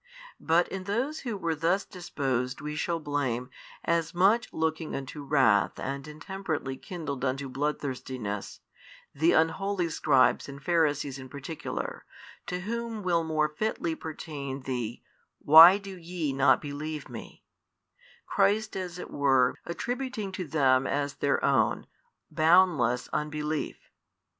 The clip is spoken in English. But in those who were thus disposed we shall blame, as much looking unto wrath and intemperately kindled unto bloodthirstiness, the unholy scribes and Pharisees in particular, to whom will more fitly pertain the, Why do YE not believe Me, Christ as it were attributing to them as their own, boundless unbelief.